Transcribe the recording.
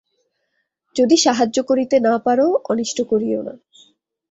যদি সাহায্য করিতে না পার, অনিষ্ট করিও না।